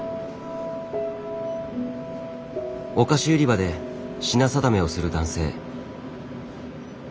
お菓子売り場で品定めをする男性。